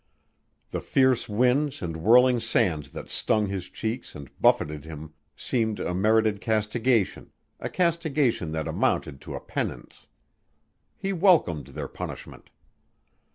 The fierce winds and whirling sands that stung his cheeks and buffeted him seemed a merited castigation, a castigation that amounted to a penance. He welcomed their punishment.